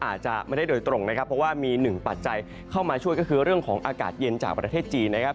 อาจจะไม่ได้โดยตรงนะครับเพราะว่ามีหนึ่งปัจจัยเข้ามาช่วยก็คือเรื่องของอากาศเย็นจากประเทศจีนนะครับ